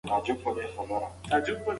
روحي غذا د فکري ودې لپاره مهمه ده.